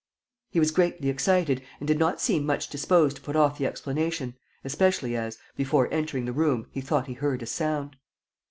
..." He was greatly excited and did not seem much disposed to put off the explanation, especially as, before entering the room, he thought he heard a sound.